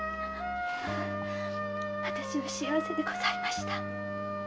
私は幸せでございました。